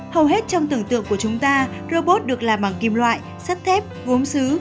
hầu hết trong tưởng tượng của chúng ta robot được làm bằng kim loại sắt thép gốm xứ